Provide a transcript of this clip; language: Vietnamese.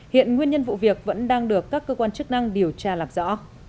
hiện nguyên nhân vụ việc vẫn đang được các cơ quan chức năng điều tra làm rõ